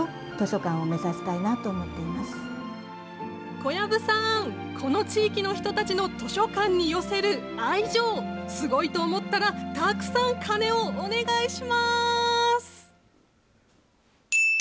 小籔さん、この地域の人たちの図書館に寄せる愛情、すごいと思ったら、たくさん鐘をお願いします。